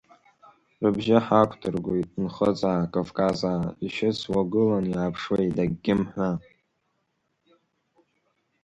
Рыбжьы ҳақәдыргоит Нхыҵаа, Кавказаа, ишьыцуа гылан иааԥшуеит, акгьы мҳәа.